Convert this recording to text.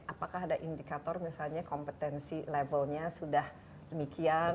apakah ada indikator misalnya kompetensi levelnya sudah demikian